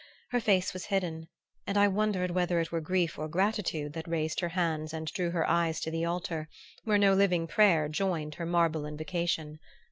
Her face was hidden, and I wondered whether it were grief or gratitude that raised her hands and drew her eyes to the altar, where no living prayer joined her marble invocation.